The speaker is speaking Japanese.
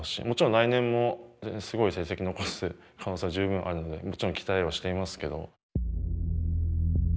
もちろん来年もすごい成績残す可能性は十分あるのでもちろん期待はしていますけど。